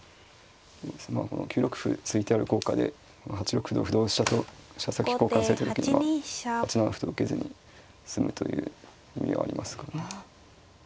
９六歩突いてある効果で８六歩同歩同飛車と飛車先交換された時には８七歩と受けずに済むという意味はありますかね。